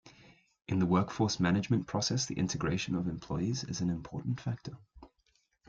In the workforce management process, the integration of employees is an important factor.